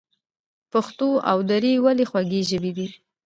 پښتو او دري ولې خوږې ژبې دي؟